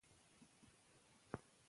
هغې وویل معلولیت خنډ نه دی.